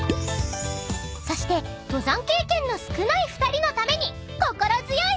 ［そして登山経験の少ない２人のために］